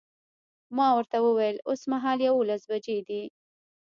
ما ورته وویل اوسمهال یوولس بجې دي.